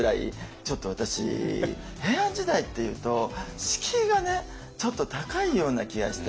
ちょっと私平安時代っていうと敷居がねちょっと高いような気がして。